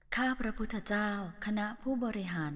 ข้าพระพุทธเจ้าคณะผู้บริหาร